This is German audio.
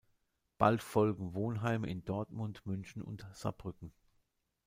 Bald folgen Wohnheime in Dortmund, München und Saarbrücken.